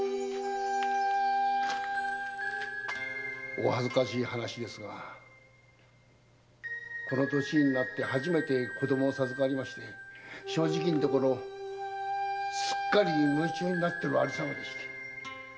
お恥ずかしい話ですがこの歳になって初めて子供を授かりまして正直なところすっかり夢中になってる有様でして。